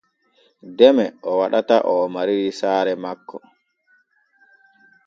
Deme o waɗata oo mariri saare makko.